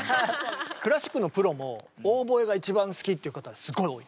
クラシックのプロもオーボエが一番好きっていう方すごい多い。